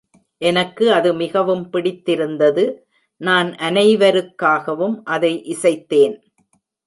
எனக்கு அது மிகவும் பிடித்திருந்தது நான் அனைவருக்காகவும் அதை இசைத்தேன்.